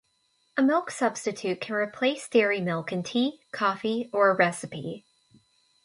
A milk substitute can replace dairy milk in tea, coffee, or a recipe.